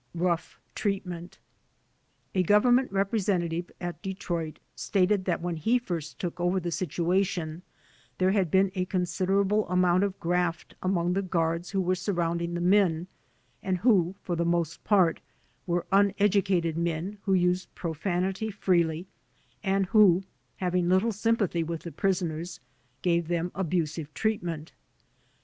Rough Treatment A Government representative at Detroit stated that when he first took over the situation, there had been a 82 THE DEPOBTATION CASES ccmsiderable amount of graft among the guards who were surrounding the men and who, for the most part, were uneducated men who used profanity freely and who, having little sympathy with the prisoners, gave them abusive treatment.